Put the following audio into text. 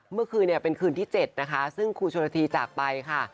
เมื่อคืนเป็นคืนที่๗นะคะซึ่งครูโชลาธีตากไปค่ะ